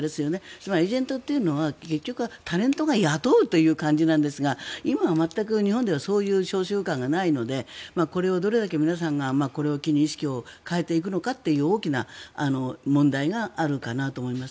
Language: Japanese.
つまりエージェントというのはタレントが雇うという感じなんですが今は全く日本ではそういう習慣がないのでこれをどれだけ皆さんがこれを機に意識を変えていくのかという大きな問題があるかなと思います。